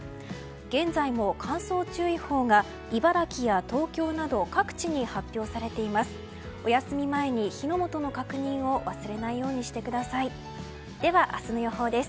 現在も乾燥注意報が茨城や東京など各地に発表されています。